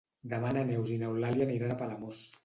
Demà na Neus i n'Eulàlia aniran a Palamós.